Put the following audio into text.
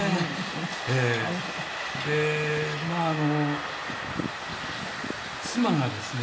でまあ妻がですね